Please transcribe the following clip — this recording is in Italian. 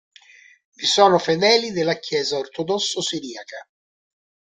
Vi sono fedeli della Chiesa ortodossa siriaca.